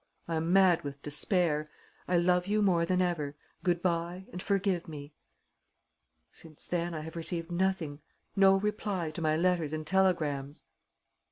I am mad with despair. I love you more than ever. Good bye and forgive me.' "Since then, I have received nothing: no reply to my letters and telegrams."